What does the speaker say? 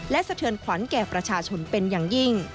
และสะเทือนขวัญแก่ประชาชนเป็นอย่างยิ่ง